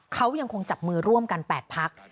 เขายังคงจับมือร่วมกัน๘พัก